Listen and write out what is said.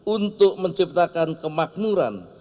untuk menciptakan kemakmuran